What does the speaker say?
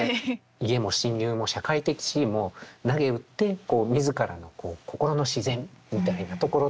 家も親友も社会的地位もなげうって自らの心の自然みたいなところと向き合うか否か。